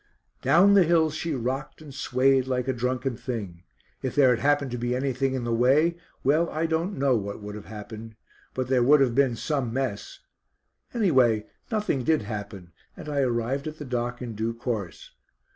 Down the hills she rocked and swayed like a drunken thing. If there had happened to be anything in the way well, I don't know what would have happened; but there would have been "some" mess! Anyway, nothing did happen, and I arrived at the dock in due course.